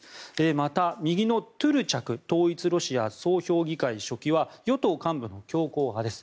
そして右の、トゥルチャク統一ロシア総評議会書記は与党幹部の強硬派です。